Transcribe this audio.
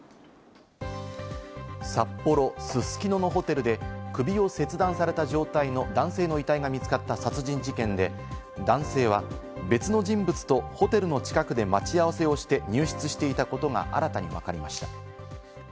札幌・すすきののホテルで首を切断された状態の男性の遺体が見つかった殺人事件で、男性は別の人物とホテルの近くで待ち合わせをして入室していたことが新たにわかりました。